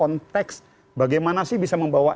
konteks bagaimana sih bisa membawa